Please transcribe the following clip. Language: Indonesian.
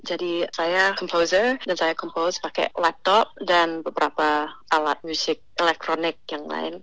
jadi saya composer dan saya compose pakai laptop dan beberapa alat musik elektronik yang lain